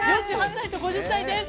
４８歳と５０歳です。